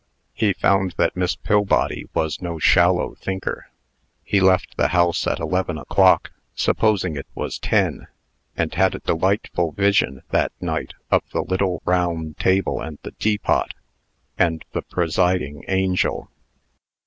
He found that Miss Pillbody was no shallow thinker. He left the house at eleven o'clock, supposing it was ten, and had a delightful vision, that night, of the little round table and the teapot, and the presiding angel.